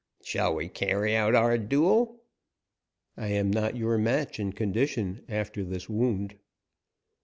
"Shall we carry out our duel?" "I am not your match in condition, after this wound."